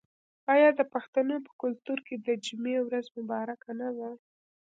آیا د پښتنو په کلتور کې د جمعې ورځ مبارکه نه ده؟